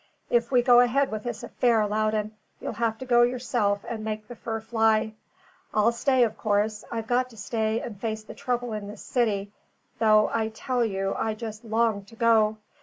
If we go ahead with this affair, Loudon, you'll have to go yourself and make the fur fly. I'll stay of course I've got to stay and face the trouble in this city; though, I tell you, I just long to go.